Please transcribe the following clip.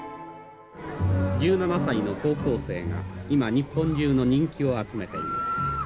１７歳の高校生が今日本中の人気を集めています。